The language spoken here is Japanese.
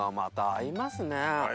合います。